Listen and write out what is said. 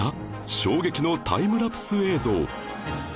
衝撃のタイムラプス映像